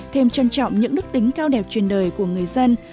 thêm trân trọng những đức tính cao đẹp truyền đời của người dân